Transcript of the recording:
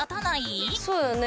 そうよね。